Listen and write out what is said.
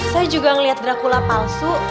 saya juga melihat dracula palsu